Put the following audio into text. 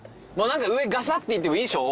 上ガサっていってもいいでしょ？